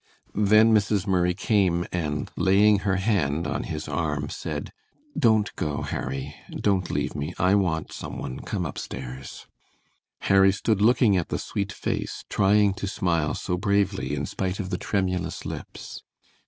Then Mrs. Murray came, and laying her hand on his arm, said: "Don't go, Harry; don't leave me; I want some one; come upstairs." Harry stood looking at the sweet face, trying to smile so bravely in spite of the tremulous lips.